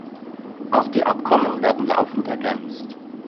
Auch die Abkommen werden laufend ergänzt.